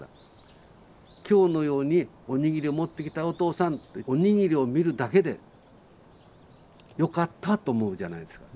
今日のように「おにぎり持ってきたよお父さん」っておにぎりを見るだけで「よかった」と思うじゃないですか。